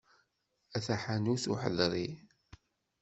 A taḥanut uḥeḍri.